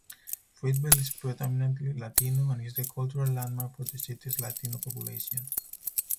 Fruitvale is predominantly Latino, and is the cultural landmark for the city's Latino population.